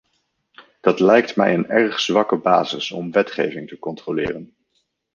Dat lijkt mij een erg zwakke basis om wetgeving te controleren.